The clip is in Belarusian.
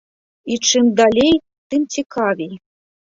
І чым далей, тым цікавей.